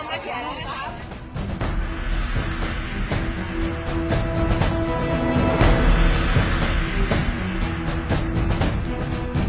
มีชีวิตทำให้แค่แค่กู่